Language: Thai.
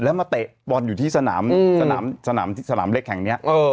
แล้วมาเตะบอลอยู่ที่สนามสนามเล็กแห่งนี้